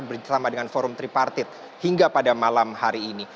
bersama dengan forum tripartit hingga pada malam hari ini